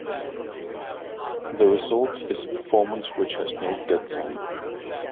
The result is a performance which has no "dead time".